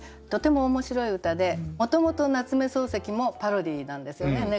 とても面白い歌でもともと夏目漱石もパロディーなんですよね。